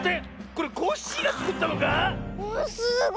これコッシーがつくったのか⁉すごい！